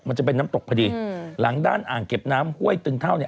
มันจะเป็นน้ำตกพอดีหลังด้านอ่างเก็บน้ำห้วยตึงเท่าเนี่ย